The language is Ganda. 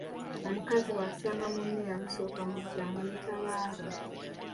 Omukazi bw'asanga munne eyamusooka mu ddya amuyita baaba